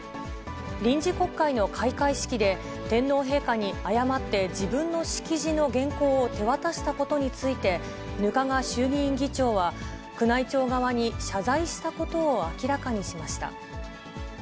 臨時国会の開会式で、天皇陛下に誤って自分の式辞の原稿を手渡したことについて、額賀衆議院議長は、宮内庁側に謝罪したことを明らかにしました。